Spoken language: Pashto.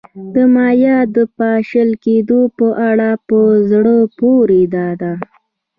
د مایا د پاشل کېدو په اړه په زړه پورې دا ده